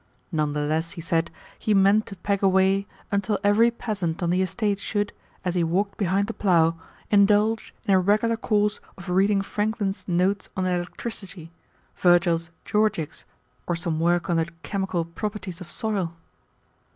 None the less, he said, he meant to peg away until every peasant on the estate should, as he walked behind the plough, indulge in a regular course of reading Franklin's Notes on Electricity, Virgil's Georgics, or some work on the chemical properties of soil.